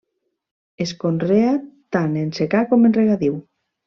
Es conrea tant en secà com en regadiu.